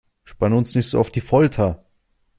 Spanne uns nicht so auf die Folter!